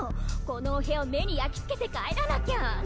このお部屋を・目に焼き付けて帰らなきゃ！